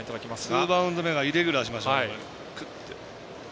ツーバウンド目がイレギュラーでしたけど。